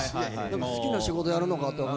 好きな仕事やるのかとか。